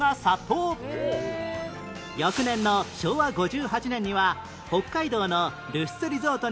翌年の昭和５８年には北海道のルスツリゾートに移設され